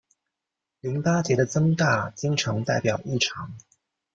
淋巴结的增大经常代表异常。